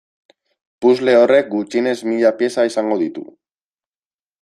Puzzle horrek gutxienez mila pieza izango ditu.